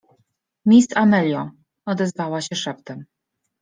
— Miss Amelio — odezwała się szeptem.